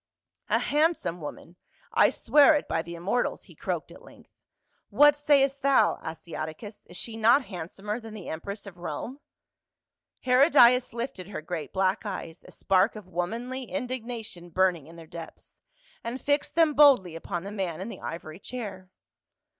" A handsome woman, I swear it by the immor tals," he croaked at length. "What sayest thou, Asiaticus ? Is she not handsomer than the empress of Rome ?" Herodias lifted her great black eyes, a spark of womanly indignation burning in their depths, and fixed them boldly upon the man in the ivory chair.